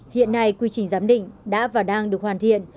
hiện nay quy trình giám định đã và đang được hoàn thiện